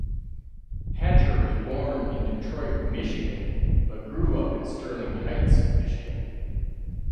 Hatcher was born in Detroit, Michigan, but grew up in Sterling Heights, Michigan.